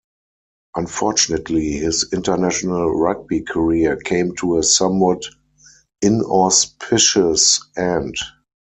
Unfortunately his International rugby career came to a somewhat inauspicious end.